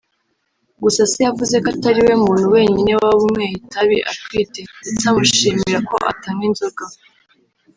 gusa se yavuze ko atari we muntu wenyine waba unyweye itabi atwite ndetse amushimira ko atanywa inzoga